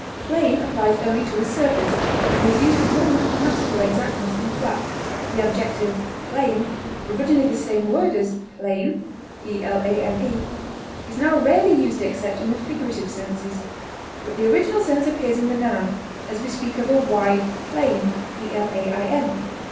Plane applies only to a surface, and is used with more mathematical exactness than flat. The adjective plain, originally the same word as plane, is now rarely used except in the figurative senses, but the original sense appears in the noun, as we speak of "a wide plain."